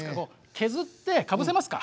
削ってかぶせますか？」。